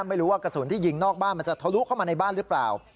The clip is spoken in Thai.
ไม่รู้ว่ากระสุนที่ยิงนอกบ้านมันจะทะลุเข้ามาในบ้านหรือเปล่า